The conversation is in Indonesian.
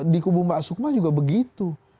di kubu mbak sukma juga begitu